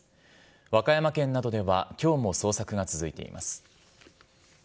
和歌山県などではきょうも捜索が続いています。